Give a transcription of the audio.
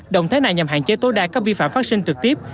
động thái này nhằm hạn chế tối đa các vi phạm phát sinh trực tiếp